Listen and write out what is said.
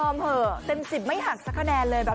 ม็ดตะหลังตะหลัง